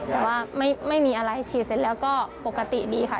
แต่ว่าไม่มีอะไรฉีดเสร็จแล้วก็ปกติดีค่ะ